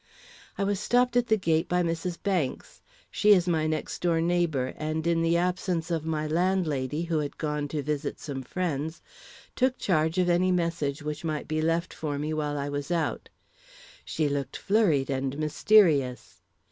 I was stopped at the gate by Mrs. Banks. She is my next door neighbor, and in the absence of my landlady who had gone to visit some friends, took charge of any message which might be left for me while I was out. She looked flurried and mysterious.